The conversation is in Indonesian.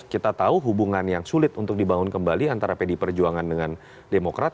kita tahu hubungan yang sulit untuk dibangun kembali antara pdi perjuangan dengan demokrat